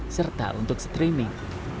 serta untuk streaming